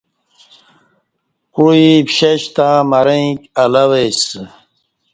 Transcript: کوعی پشش تں مرݩیک الہ وے سہ